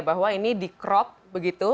bahwa ini di crop begitu